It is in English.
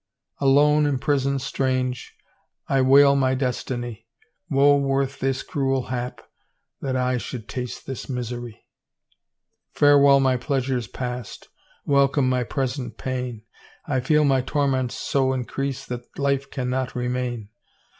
Alone in prison strange, I wail my destiny ; Woe worth this cruel hap, that I Should taste this misery 1 Farewell my pleasures past. Welcome my present pain, I feel my torments so increase That life cannot remain.